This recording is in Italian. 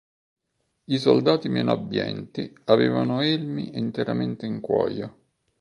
I soldati meno abbienti avevano elmi interamente in cuoio.